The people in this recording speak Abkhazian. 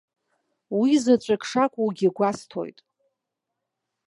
Уи заҵәык шакәугьы гәасҭоит.